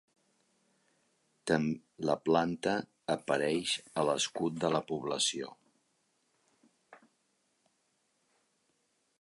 La planta apareix a l'escut de la població.